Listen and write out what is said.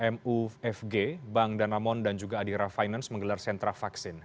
mufg bank danamon dan juga adira finance menggelar sentra vaksin